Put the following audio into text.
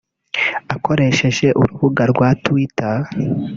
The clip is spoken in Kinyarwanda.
Akoresheje urubuga rwa Twitter